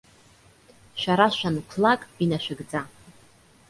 Шәара шәанқәлак инашәыгӡа.